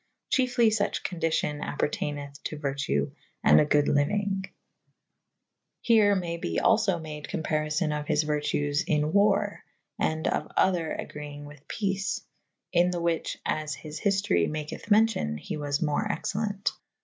Chiefly suche condicion appertayneth to vertue and good lyuynge. [C iii a] Here may be alfo made comparifon of his vertues in warre /& of other agreynge with peace / in the whiche (as his hiftory maketh mencyon) he was more excellent.